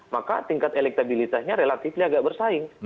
maka tingkat elektabilitasnya relatif agak bersaing